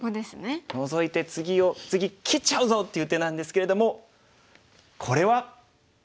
ノゾいて「次切っちゃうぞ」っていう手なんですけれどもこれは。